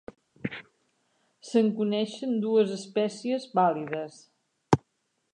Se'n coneixen dues espècies vàlides.